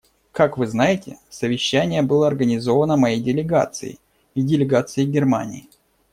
Как вы знаете, совещание было организовано моей делегацией и делегацией Германии.